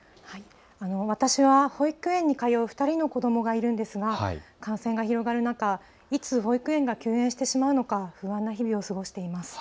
私は保育園に通う２人の子どもがいるんですが感染が広がる中、いつ保育園が休園してしまうのか不安な日々を過ごしています。